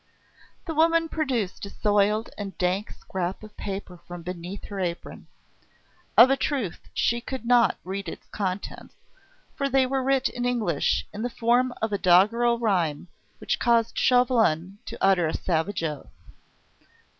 The woman produced a soiled and dank scrap of paper from beneath her apron. Of a truth she could not read its contents, for they were writ in English in the form of a doggerel rhyme which caused Chauvelin to utter a savage oath.